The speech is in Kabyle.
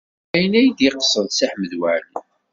D ayen ay d-yeqsed Si Ḥmed Waɛli.